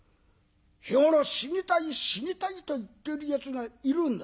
「日頃『死にたい死にたい』と言っているやつがいるんだ」。